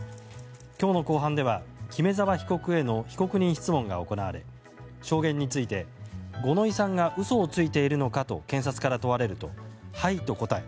今日の公判では木目沢被告への被告人質問が行われ証言について、五ノ井さんが嘘をついているのかと検察から問われるとはいと答え